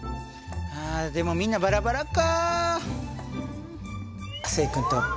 あでもみんなバラバラか。